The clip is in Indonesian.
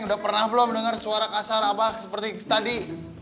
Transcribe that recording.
sudah pernah belum dengar suara kasar abah seperti tadi